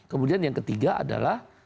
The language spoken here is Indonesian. kemudian yang ketiga adalah